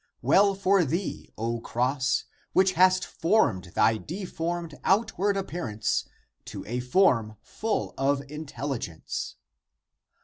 Well for thee, O cross, which hast formed thy deformed outward appearance to a form full of intelligence